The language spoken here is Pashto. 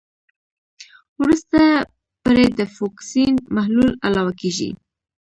وروسته پرې د فوکسین محلول علاوه کیږي.